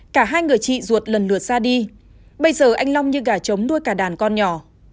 cả hai người chị ruột lần lượt xa đi bây giờ anh long như gà trống nuôi cả đàn con nhỏ